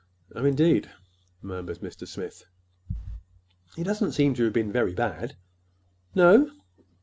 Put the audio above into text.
"Oh, indeed!" murmured Mr. Smith. "He doesn't seem to have been very bad." "No?"